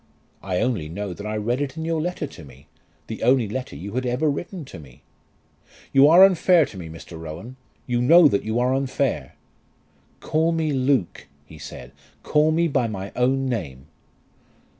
"I only know that I read it in your letter to me, the only letter you had ever written to me." "You are unfair to me, Mr. Rowan. You know that you are unfair." "Call me Luke," he said. "Call me by my own name."